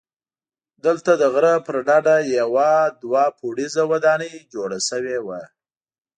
دلته د غره پر ډډه یوه دوه پوړیزه ودانۍ جوړه شوې وه.